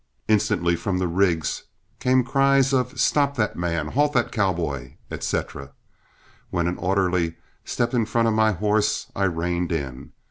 Instantly from the rigs came cries of "Stop that man!" "Halt that cowboy!" etc., when an orderly stepped in front of my horse and I reined in.